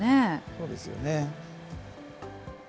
そうですよね。